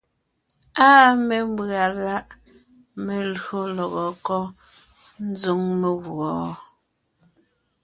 Áa mémbʉ̀a láʼ melÿò lɔgɔ kɔ́ ńzoŋ meguɔ?